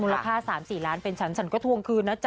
ค่า๓๔ล้านเป็นฉันฉันก็ทวงคืนนะจ๊